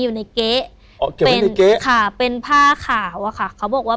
อยู่ในเก๊อ๋อเก็บไว้ในเก๊เป็นผ้าขาวค่ะเขาบอกว่า